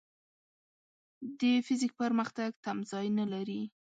د فزیک پرمختګ تمځای نه لري.